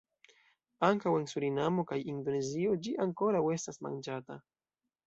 Ankaŭ en Surinamo kaj Indonezio ĝi ankoraŭ estas manĝata.